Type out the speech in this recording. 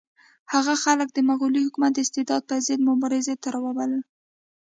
هغه خلک د مغلي حکومت د استبداد پر ضد مبارزې ته راوبلل.